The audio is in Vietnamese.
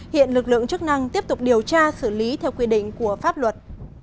hiện lực lượng chức năng tiếp tục điều tra xử lý theo quy định của pháp luật